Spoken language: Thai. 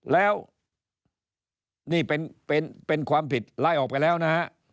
แล้วนี่เป็นความผิดไล่ออกไปแล้วนะฮะ